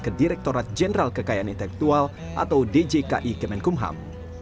kedirektorat jenderal kekayaan intelektual atau djki kemenkumham